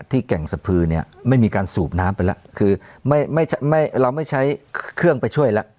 แก่งสะพือเนี่ยไม่มีการสูบน้ำไปแล้วคือไม่ไม่เราไม่ใช้เครื่องไปช่วยแล้ว